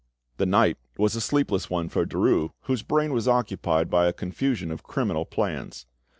The night was a sleepless one for Derues, whose brain was occupied by a confusion of criminal plans.